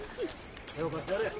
手を貸してやれ。